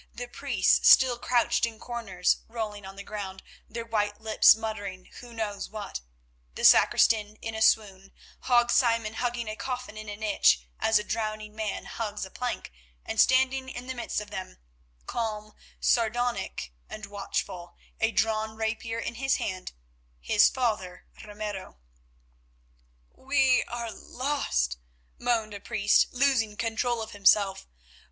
The priests, still crouched in corners, rolling on the ground, their white lips muttering who knows what; the sacristan in a swoon, Hague Simon hugging a coffin in a niche, as a drowning man hugs a plank, and, standing in the midst of them, calm, sardonic and watchful, a drawn rapier in his hand, his father Ramiro. "We are lost," moaned a priest, losing control of himself.